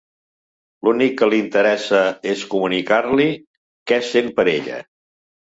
L'únic que li interessa és comunicar-li què sent per ella.